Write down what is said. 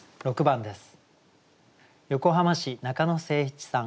６番です。